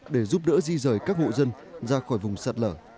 để giúp đỡ di rời các hộ dân ra khỏi vùng sạt lở